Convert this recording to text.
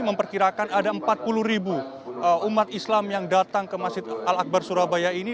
memperkirakan ada empat puluh ribu umat islam yang datang ke masjid al akbar surabaya ini